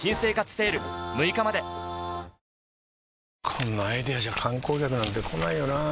こんなアイデアじゃ観光客なんて来ないよなあ